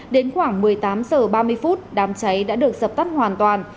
đến khoảng một mươi tám h ba mươi đám cháy đã được dập tắt hoàn toàn